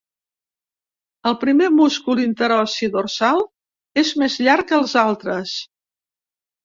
El primer múscul interossi dorsal és més llarg que els altres.